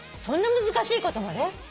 そんな難しいことまで？